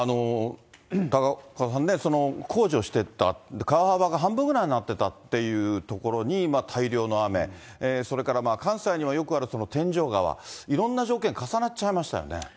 高岡さんね、工事をしてた、川幅が半分ぐらいになってたというところに大量の雨、それから関西にはよくある天井川、いろんな条件重なっちゃいましたよね。